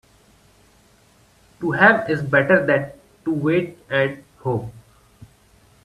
To have is better than to wait and hope.